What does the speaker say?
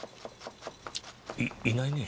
いいないね。